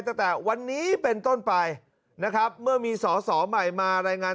ตั้งแต่วันนี้เป็นต้นไปนะครับเมื่อมีสอสอใหม่มารายงาน